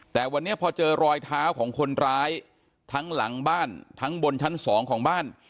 แต่วันนี้พอเจอรอยเท้าของคนร้ายทั้งหลังบ้านทั้งบนชั้นสองของบ้าน